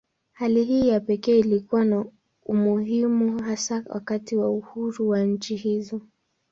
Hali hii ya pekee ilikuwa na umuhimu hasa wakati wa uhuru wa nchi hizo.